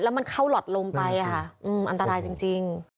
แล้วมันเข้าหลอดลงไปอันตรายจริง